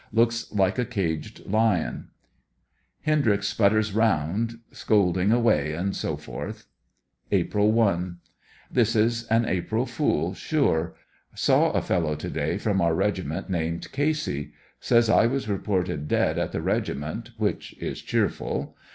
Looks like a caged lion. Hendryx sputters around, scolding away, &c. April 1. — This is an April Fool sure. Saw a fellow to day from our regiment, named Casey, (Says 1 was reported dead at the regi ment, wiiich is cheerful.